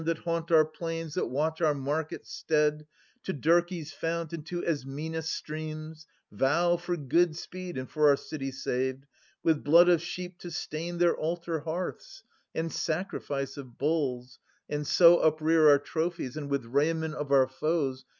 That haunt our plains, that watch our market stead. To Dirk^'s fount, and to Ismenus' streams, Vow, for good speed and for our city saved. With blood of sheep to stain their altar hearths, And sacrifice of bulls, and so uprear Our trophies, and with raiment of our foes.